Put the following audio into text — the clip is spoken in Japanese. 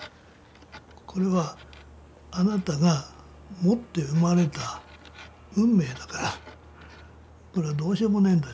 これはあなたが持って生まれた運命だからこれはどうしようもねえんだ